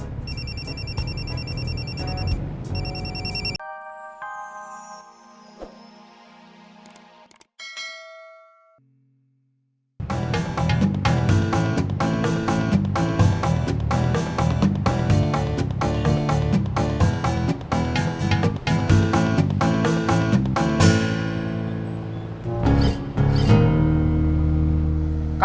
tidak ada ubat